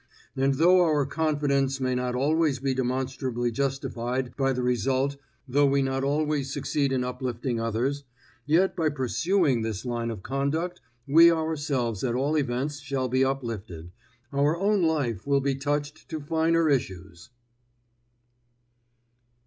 And though our confidence may not always be demonstrably justified by the result, though we not always succeed in uplifting others, yet by pursuing this line of conduct we ourselves at all events shall be uplifted, our own life will be touched to finer issues.